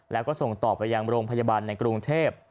แล้วก็ส่งต่อไปยังโรงพยาบาลในกรุงเทพ